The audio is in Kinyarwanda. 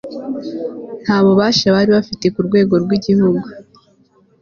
Nta bubasha bari bafite ku rwego rwigihugu